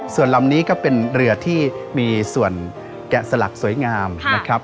ส่วนลำนี้ก็เป็นเรือที่มีส่วนแกะสลักสวยงามนะครับ